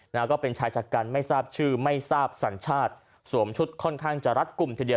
แล้วก็เป็นชายชะกันไม่ทราบชื่อไม่ทราบสัญชาติสวมชุดค่อนข้างจะรัดกลุ่มทีเดียว